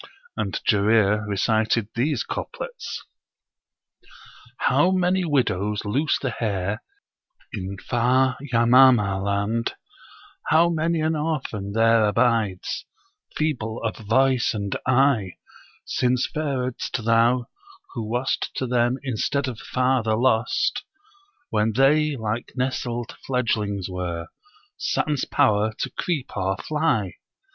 And Jarir recited these couplets: 'How many widows loose the hair, in far Yamamah land, How many an orphan there abides, feeble of voice and eye, Since faredst thou, who wast to them instead of father lost when they like nestled fledglings were, sans power to creep or fly.